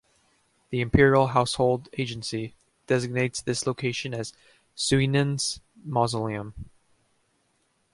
The Imperial Household Agency designates this location as Suinin's mausoleum.